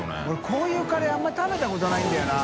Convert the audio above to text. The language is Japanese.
こういうカレーあんまり食べたことないんだよな。